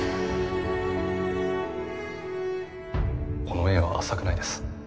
この縁は浅くないです。